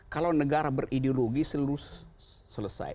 kalau negara berideologi selesai